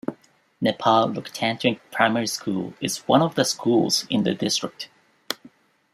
Nepal Loktantrik Primary School is one of the schools in the district.